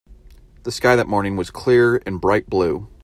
The sky that morning was clear and bright blue.